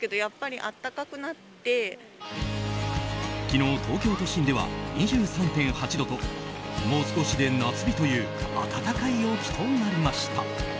昨日、東京都心では２３．８度ともう少しで夏日という暖かい陽気となりました。